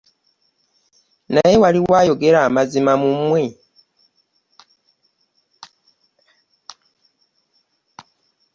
Naye waliwo ayogera amazima mu mmwe?